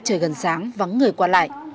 trong ngày gần sáng vắng người qua lại